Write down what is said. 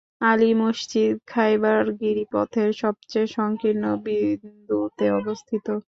আলী মসজিদ খাইবার গিরিপথের সবচেয়ে সংকীর্ণ বিন্দুতে অবস্থিত।